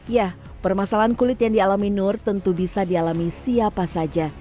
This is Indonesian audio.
ya permasalahan kulit yang dialami nur tentu bisa dialami siapa saja